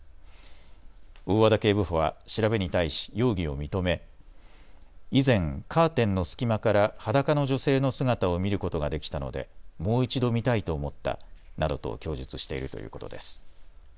大和田警部補は調べに対し容疑を認め以前、カーテンの隙間から裸の女性の姿を見ることができたのでもう一度見たいと思ったなどと供述しているということです。